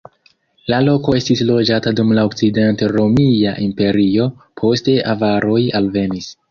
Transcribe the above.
La loko estis loĝata dum la Okcident-Romia Imperio, poste avaroj alvenis.